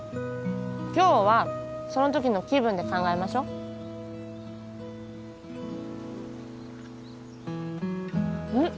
今日はその時の気分で考えましょうん？